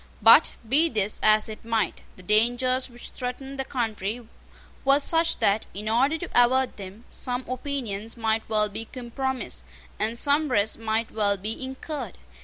But, be this as it might, the dangers which threatened the country were such that, in order to avert them, some opinions might well be compromised, and some risks might well be incurred.